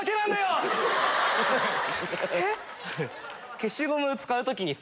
消しゴムを使う時にさ